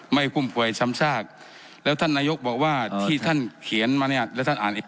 กุ้มป่วยซ้ำซากแล้วท่านนายกบอกว่าที่ท่านเขียนมาเนี่ยแล้วท่านอ่านอีก